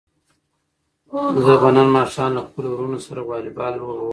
زه به نن ماښام له خپلو وروڼو سره واليبال لوبه وکړم.